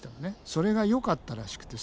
それがよかったらしくてさ。